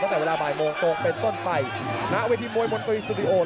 ตั้งแต่เวลาบ่ายโมงตรงเป็นต้นไปณเวทีมวยมนตรีสตูดิโอ